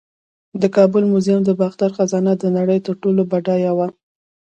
د کابل میوزیم د باختر خزانه د نړۍ تر ټولو بډایه وه